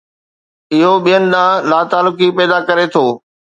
اهو ٻين ڏانهن لاتعلقي پيدا ڪري ٿو.